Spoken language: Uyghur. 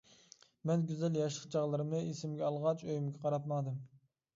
مەن گۈزەل ياشلىق چاغلىرىمنى ئېسىمگە ئالغاچ ئۆيۈمگە قاراپ ماڭدىم.